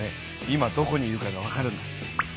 今どこにいるかがわかるんだ。